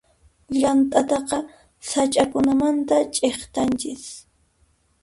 Llant'ataqa sach'akunamanta ch'iktanchis.